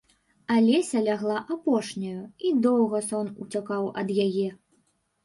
Алеся лягла апошняю, і доўга сон уцякаў ад яе.